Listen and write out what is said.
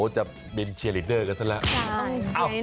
จะเป็นเชียรินเดอร์กันซะแล้ว